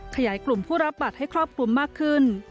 ขยายกลุ่มผู้รับบัตรให้ครอบคลุมมากขึ้น